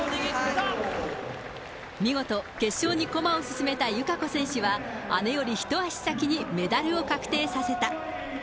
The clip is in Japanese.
見事、決勝に駒を進めた友香子選手は、姉より一足先にメダルを確定させた。